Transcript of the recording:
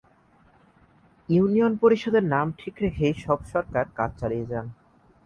Union পরিষদের নাম ঠিক রেখেই সব সরকার কাজ চালিয়ে যান।